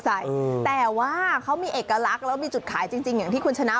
แต่ว่าเขามีเอกลักษณ์แล้วมีจุดขายจริงอย่างที่คุณชนะ